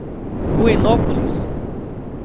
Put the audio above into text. Buenópolis